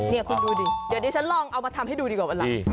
นี่คุณดูดิเดี๋ยวดิฉันลองเอามาทำให้ดูดีกว่าเวลา